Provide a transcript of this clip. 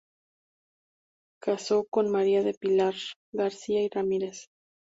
Casó con María del Pilar García y Ramírez.